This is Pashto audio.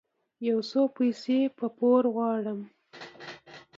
يو څه پيسې په پور غواړم